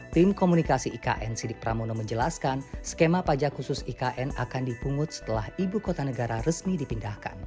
tim komunikasi ikn sidik pramono menjelaskan skema pajak khusus ikn akan dipungut setelah ibu kota negara resmi dipindahkan